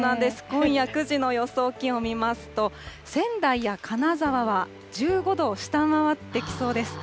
今夜９時の予想気温見ますと、仙台や金沢は１５度を下回ってきそうです。